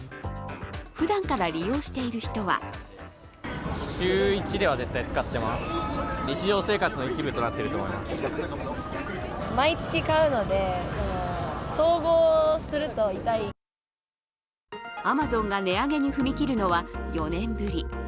ふだんから利用している人はアマゾンが値上げに踏み切るのは４年ぶり。